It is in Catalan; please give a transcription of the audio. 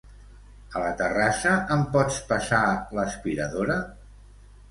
A la terrassa, em pots passar l'aspiradora?